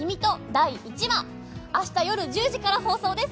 第１話明日夜１０時から放送です